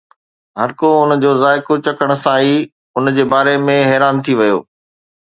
هر ڪو ان جو ذائقو چکڻ سان ئي ان جي باري ۾ حيران ٿي ويو